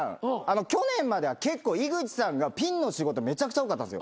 去年までは結構井口さんがピンの仕事めちゃくちゃ多かったんですよ